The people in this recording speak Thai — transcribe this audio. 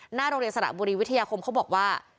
หน้าโรงเรียนสระบุรีวิทยาคมเขาบอกว่า